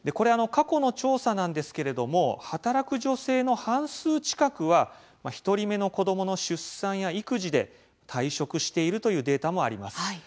過去の調査なんですけれども働く女性の半数近くは１人目の子どもの出産や育児で退職しているというデータもあります。